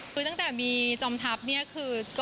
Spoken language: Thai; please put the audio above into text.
คือตั้งแต่มีจอมทัพเนี่ยคือ